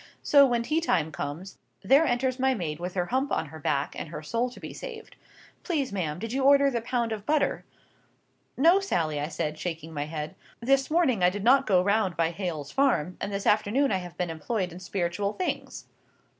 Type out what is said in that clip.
So, when tea time comes, there enters my maid with her hump on her back, and her soul to be saved. 'Please, ma'am, did you order the pound of butter?'—'No, Sally,' I said, shaking my head, 'this morning I did not go round by Hale's farm, and this afternoon I have been employed in spiritual things.